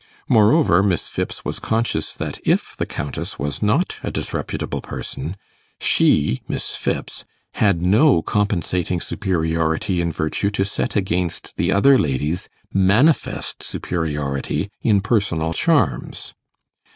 Moreover, Miss Phipps was conscious that if the Countess was not a disreputable person, she, Miss Phipps, had no compensating superiority in virtue to set against the other lady's manifest superiority in personal charms.